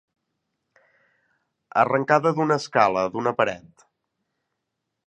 Arrencada d'una escala, d'una paret.